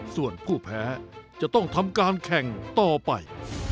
ส่วนผู้แพ้จะต้องทำการแข่งต่อไป